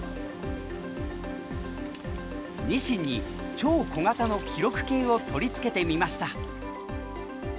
ニシンに超小型の記録計を取り付けてみました。